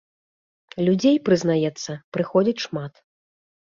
Людзей, прызнаецца, прыходзіць шмат.